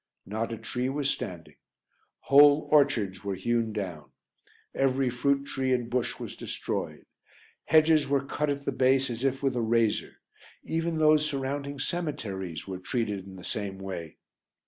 Not a tree was standing; whole orchards were hewn down; every fruit tree and bush was destroyed; hedges were cut at the base as if with a razor; even those surrounding cemeteries were treated in the same way.